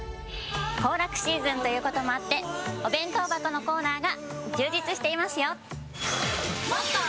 行楽シーズンということもあってお弁当箱のコーナーが充実していますよ！